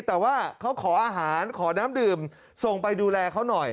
แต่ว่าเขาขออาหารขอน้ำดื่มส่งไปดูแลเขาหน่อย